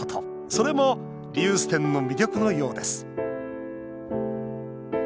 それも、リユース店の魅力のようです。